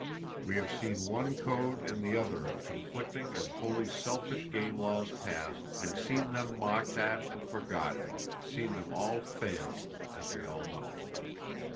We have seen one code and the other of conflicting and wholly selfish game laws passed, and seen them mocked at and forgotten, seen them all fail, as we all know.